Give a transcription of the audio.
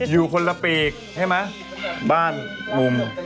อยู่คนละปีกใช่ไหมบ้านมุม